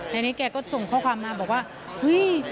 แล้วนี่แกร็ก็ส่งข้อความมาบอกว่าฮื้อ